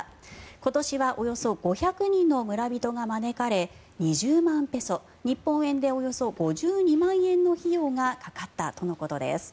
今年はおよそ５００人の村人が招かれ２０万ペソ日本円でおよそ５２万円の費用がかかったとのことです。